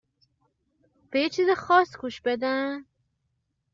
به یه چیز خاص گوش بدن؟